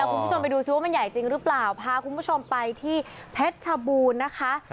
คุณผู้ชมไปดูซิว่ามันใหญ่จริงหรือเปล่าพาคุณผู้ชมไปที่เพชรชบูรณ์นะคะ